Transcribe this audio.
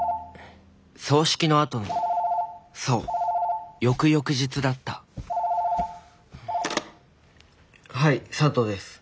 葬式のあとのそう翌々日だった☎はい佐藤です。